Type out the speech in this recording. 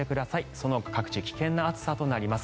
そのほか各地危険な暑さとなります。